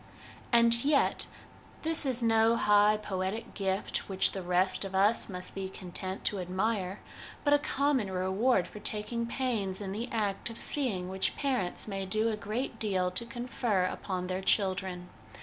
And yet this is no high poetic gift which the rest of us must be content to admire, but a common reward for taking pains in the act of seeing which parents may do a great deal to confer upon their children.